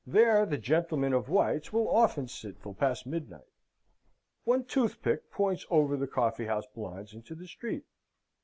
There the gentlemen of White's will often sit till past midnight. One toothpick points over the coffee house blinds into the street.